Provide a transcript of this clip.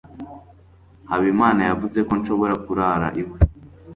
habimana yavuze ko nshobora kurara iwe